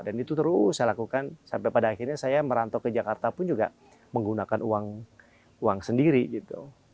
dan itu terus saya lakukan sampai pada akhirnya saya merantau ke jakarta pun juga menggunakan uang sendiri gitu